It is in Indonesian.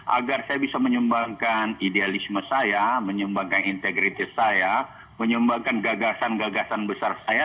agar saya bisa menyumbangkan idealisme saya menyumbangkan integritas saya menyumbangkan gagasan gagasan besar saya